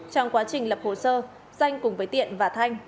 trong quá trình lập hồ sơ danh cùng với tiện và thanh